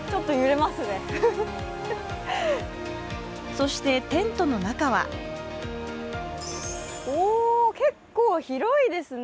そして、テントの中は結構広いですね